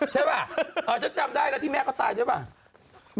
ใช่ป่ะฉันจำได้แล้วที่แม่เขาตายใช่ป่ะ